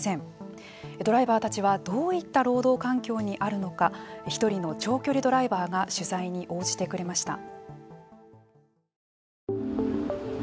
ドライバーたちはどういった労働環境にあるのか１人の長距離ドライバーが取材に応じてくれました。